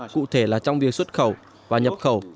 cụ thể là trong việc xuất khẩu và nhập khẩu